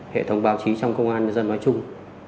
hệ thống báo chí trong công an nhân dân nói chung